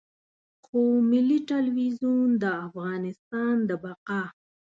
خو ملي ټلویزیون د افغانستان د بقا.